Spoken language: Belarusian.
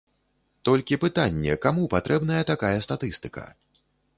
Толькі пытанне, каму патрэбная такая статыстыка?